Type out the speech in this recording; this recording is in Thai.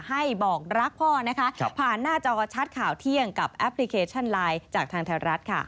ให้บอกรักพ่อนะคะผ่านหน้าจอชัดข่าวเที่ยงกับแอปพลิเคชันไลน์จากทางไทยรัฐค่ะ